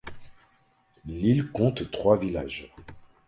L'île compte trois villages.